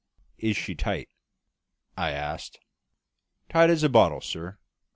"Is she tight?" I asked. "Tight as a bottle, sir.